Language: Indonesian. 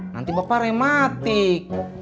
nanti bapak rematik